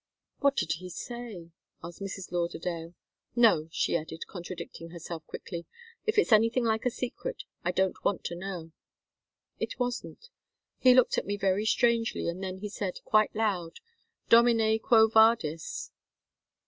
"What did he say?" asked Mrs. Lauderdale. "No," she added, contradicting herself quickly. "If it's anything like a secret, I don't want to know." "It wasn't. He looked at me very strangely, and then he said, quite loud, 'Domine quo vadis?